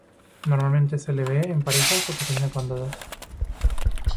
Normalmente se le ve en parejas o pequeñas bandadas.